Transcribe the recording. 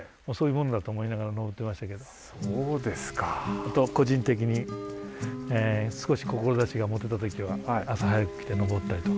あと個人的に少し志が持てた時は朝早く来て上ったりとか。